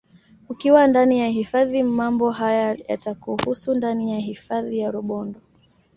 Ukiwa ndani ya hifadhi mambo haya yatakuhusu ndani ya hifadhi ya Rubondo